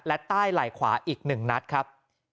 และใต้ไหล่ขวาอีก๑นัดครับ